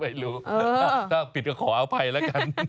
ไม่รู้ถ้าผิดก็ขออภัยแล้วกัน